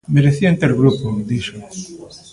Merecían ter grupo, dixo.